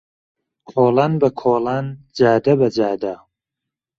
کۆڵان به کۆڵان جاده به جاده